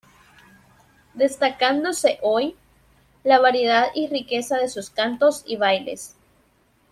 Destacándose hoy, la variedad y riqueza de sus cantos y bailes.